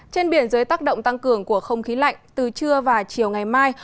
trên biển dưới tác động tăng cường của không khí lạnh từ trưa và chiều ngày mai